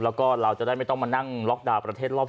แล้วก็เราจะได้ไม่ต้องมานั่งล็อกดาวน์ประเทศรอบ๒